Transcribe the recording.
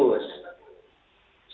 sulit untuk mewakili